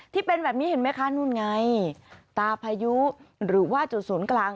ที่เป็นแบบนี้เห็นไหมคะนู่นไงตาพายุหรือว่าจุดศูนย์กลาง